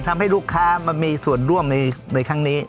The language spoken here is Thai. ทำให้ลูกค้ามามีส่วนร่วมในครั้งนี้